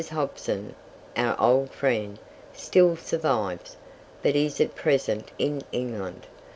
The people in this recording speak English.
Hobson, our old friend, still survives, but is at present in England.